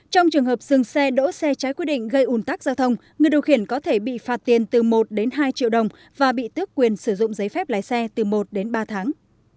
trong trường hợp dừng xe đỗ xe trái quy định gây ủn tắc giao thông người điều khiển có thể bị phạt tiền từ một đến hai triệu đồng và bị tước quyền sử dụng giấy phép lái xe từ một đến ba tháng